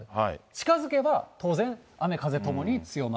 近づけば、当然、雨、風ともに強まると。